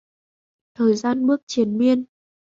Thời gian bước triền miên